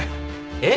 えっ？